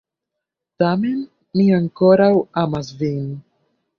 Tamen, mi ankoraŭ amas vin.